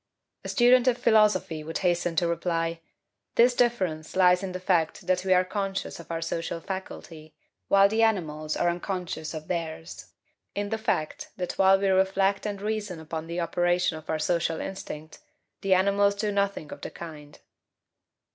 A student of philosophy would hasten to reply: "This difference lies in the fact that we are conscious of our social faculty, while the animals are unconscious of theirs in the fact that while we reflect and reason upon the operation of our social instinct, the animals do nothing of the kind."